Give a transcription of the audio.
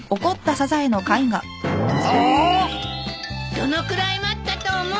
どのくらい待ったと思うの！？